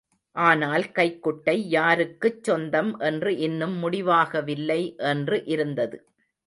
ஆனால் கைக்குட்டை யாருக்குச் சொந்தம் என்று இன்னும் முடிவாகவில்லை என்று இருந்தது.